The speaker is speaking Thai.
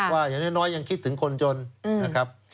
อย่างน้อยยังคิดถึงคนจนนะครับ